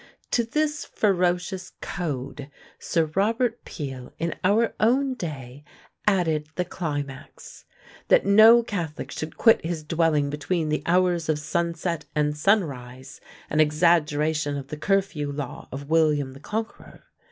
To this ferocious 'Code', Sir Robert Peel, in our own day, added the climax, that no Catholic should quit his dwelling between the hours of sunset and sunrise, an exaggeration of the 'Curfew Law' of William the Conqueror.